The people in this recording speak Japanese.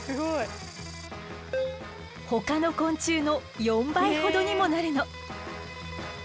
ほかの昆虫の４倍ほどにもなるの！